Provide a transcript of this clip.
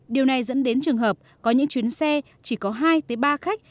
điều này dẫn đến trường hợp có những chuyến xe chỉ có hai ba khách